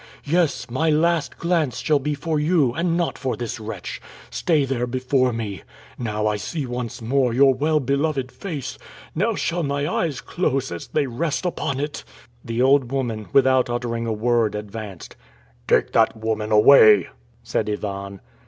yes! my last glance shall be for you, and not for this wretch! Stay there, before me! Now I see once more your well beloved face! Now shall my eyes close as they rest upon it...!" The old woman, without uttering a word, advanced. "Take that woman away!" said Ivan.